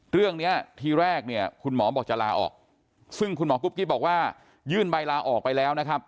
เรื่องนี้ทีแรกเนี่ยคุณหมอบอกจะลาออกซึ่งคุณหมอกุ๊กกิ๊บบอกว่ายื่นใบลาออกไปแล้วนะครับ